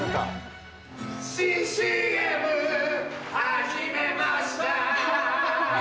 新ＣＭ始めました。